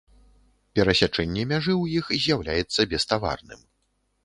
Перасячэнне мяжы ў іх з'яўляецца беставарным.